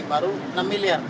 baru enam miliar